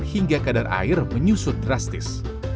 hingga kadar air menyusut drastis